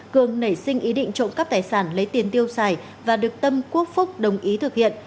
cường nảy sinh ý định trộm cắp tài sản lấy tiền tiêu xài và được tâm quốc phúc đồng ý thực hiện